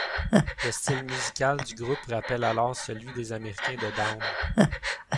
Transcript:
Le style musical du groupe rappelle alors celui des américains de Down.